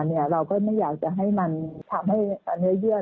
เราก็ไม่อยากจะให้มันทำให้เนื้อเยื่อ